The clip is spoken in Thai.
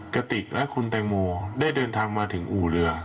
กระติกและคุณแตงโมได้เดินทางมาถึงอู่เรือ